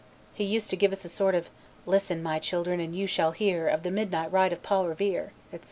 He used to give us a sort of "Listen my children and you shall hear Of the midnight ride of Paul Revere, etc."